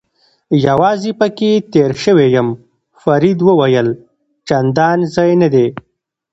یوازې پکې تېر شوی یم، فرید وویل: چندان ځای نه دی.